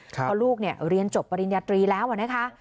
เพราะลูกเรียนจบปริญญาตรีแล้วนะคะ